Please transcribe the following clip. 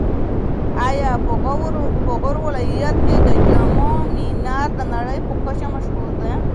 ایا په غور ولایت کې د جام منار د نړۍ په کچه مشهور دی؟